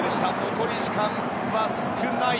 残り時間は少ない。